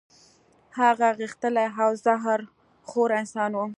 هغه غښتلی او زهر خوره انسان وو.